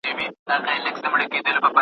څوک چي ډېره مطالعه لري هغه تر نورو ارام وي.